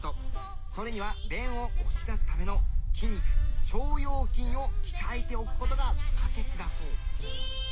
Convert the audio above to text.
それには便を押し出すための筋肉腸腰筋を鍛えておく事が不可欠だそう。